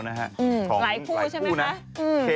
หลายคู่ใช่ไหมคะ